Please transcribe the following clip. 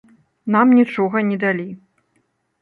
Нам нічога не далі.